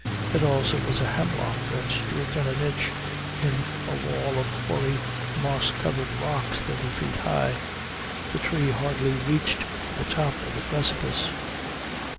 It also was a hemlock that stood in a niche in a wall of hoary, moss covered rocks thirty feet high. The tree hardly reached to the top of the precipice.